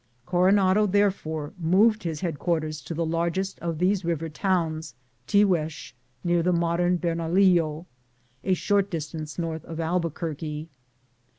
Coronado therefore moved his ' headquarters to the largest of these river towns, Tiguex, near the modern Bernalillo, a short distance north of Albuquerque.